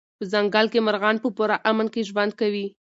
په ځنګل کې مرغان په پوره امن کې ژوند کوي.